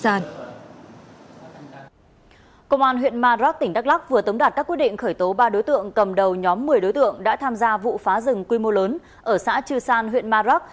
cơ quan cảnh sát điều tra công an huyện ma rắc tỉnh đắk lắc vừa tống đạt các quyết định khởi tố ba đối tượng cầm đầu nhóm một mươi đối tượng đã tham gia vụ phá rừng quy mô lớn ở xã chư san huyện ma rắc